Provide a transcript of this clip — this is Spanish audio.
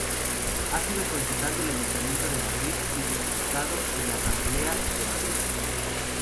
Ha sido concejal del Ayuntamiento de Madrid y diputado en la Asamblea de Madrid.